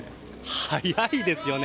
早いですよね。